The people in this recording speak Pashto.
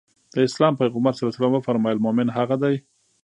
د اسلام پيغمبر ص وفرمايل مومن هغه دی.